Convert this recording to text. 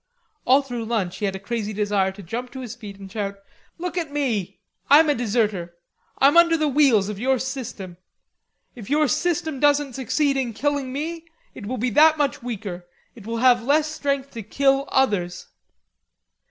All through lunch he had a crazy desire to jump to his feet and shout: "Look at me; I'm a deserter. I'm under the wheels of your system. If your system doesn't succeed in killing me, it will be that much weaker, it will have less strength to kill others."